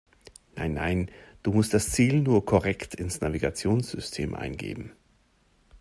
Nein, nein, du musst das Ziel nur korrekt ins Navigationssystem eingeben.